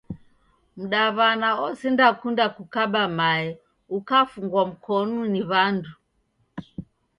Mdawana osindakunda kukaba mae ukafungwa mkonu ni wandu